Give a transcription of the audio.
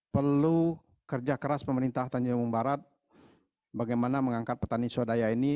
perlu kerja keras pemerintah tanjung barat bagaimana mengangkat petani swadaya ini